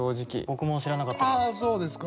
僕も知らなかったです。